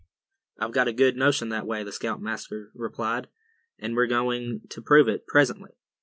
"I've a good notion that way," the scoutmaster replied; "and we're going to prove it, presently.